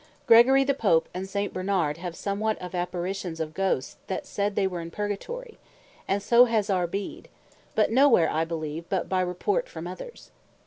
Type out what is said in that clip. Gregory the Pope, and S. Bernard have somewhat of Apparitions of Ghosts, that said they were in Purgatory; and so has our Beda: but no where, I beleeve, but by report from others.